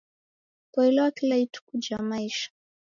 Poilwa kila ituku ja maisha.